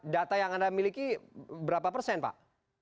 data yang anda miliki berapa persen pak